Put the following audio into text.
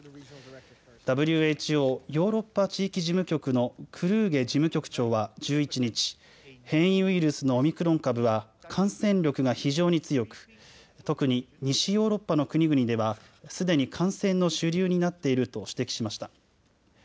ＷＨＯヨーロッパ地域事務局のクルーゲ事務局長は１１日、変異ウイルスのオミクロン株は感染力が非常に強く特に西ヨーロッパの国々ではすでに感染の主流になっていると指摘しました。